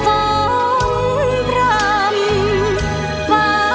โปรดติดตามต่อไป